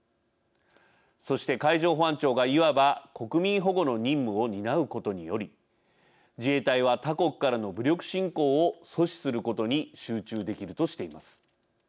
そして海上保安庁が、いわば国民保護の任務を担うことにより自衛隊は、他国からの武力侵攻を阻止することに集中できるとしています。